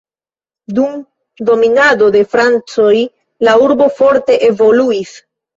Dum dominado de francoj la urbo forte evoluis.